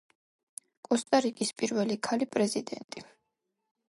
კოსტა-რიკის პირველი ქალი პრეზიდენტი.